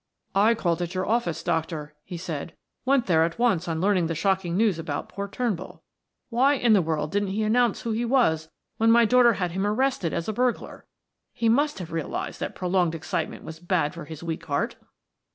"I called at your office, doctor," he said. "Went there at once on learning the shocking news about poor Turnbull. Why in the world didn't he announce who he was when my daughter had him arrested as a burglar? He must have realized that prolonged excitement was bad for his weak heart."